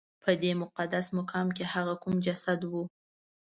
په دې مقدس مقام کې هغه کوم مسجد و؟